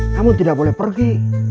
kamu tidak boleh pergi